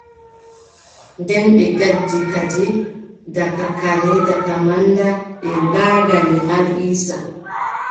Nden ɓe gaddi kadi daga kare, daga manda, ɓe mbaagani Mal Iiisa.